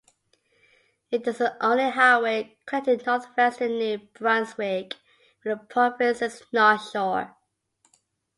It is the only highway connecting northwestern New Brunswick with the province's north shore.